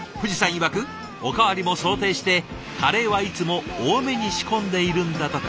いわくおかわりも想定してカレーはいつも多めに仕込んでいるんだとか。